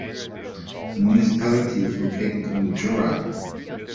The municipality is located in the Jorat.